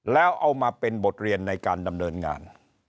แล้วเอามาเป็นบทเรียนในการดำเนินงาน